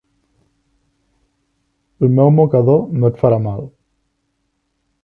El meu mocador no et farà mal.